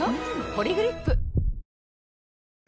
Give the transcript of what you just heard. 「ポリグリップ」